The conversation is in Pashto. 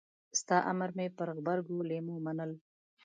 ستا امر مې پر غبرګو لېمو منل.